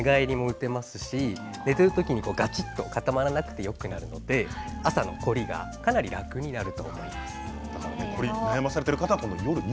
寝ている時に、がちっと固まらなくてよくなるので朝の凝りがかなり楽になると思います。